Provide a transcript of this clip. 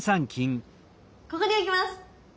ここに置きます。